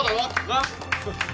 なっ！